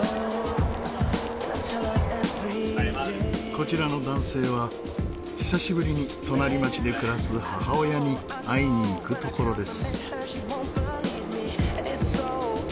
こちらの男性は久しぶりに隣町で暮らす母親に会いに行くところです。